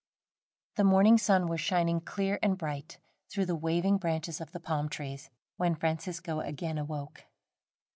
The morning sun was shining clear and bright, through the waving branches of the palm trees, when Francisco again awoke.